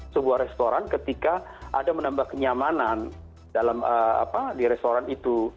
sebuah restoran ketika ada menambah kenyamanan di restoran itu